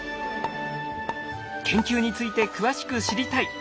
「研究について詳しく知りたい」。